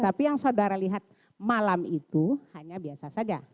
tapi yang saudara lihat malam itu hanya biasa saja